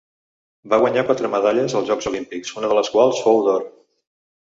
Va guanyar quatre medalles als Jocs Olímpics, una de les quals fou d'or.